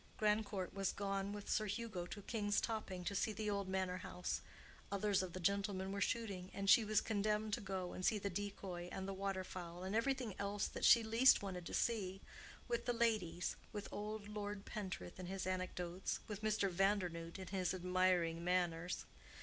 Grandcourt was gone with Sir Hugo to King's Topping, to see the old manor house; others of the gentlemen were shooting; she was condemned to go and see the decoy and the water fowl, and everything else that she least wanted to see, with the ladies, with old Lord Pentreath and his anecdotes, with Mr. Vandernoodt and his admiring manners.